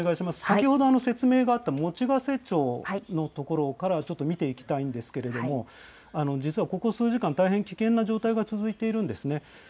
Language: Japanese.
先ほど説明があった用瀬町の所からちょっと見ていきたいんですけれども、実はここ数時間、大変危険な状態が続いているんですね。